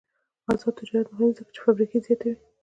آزاد تجارت مهم دی ځکه چې فابریکې زیاتوي.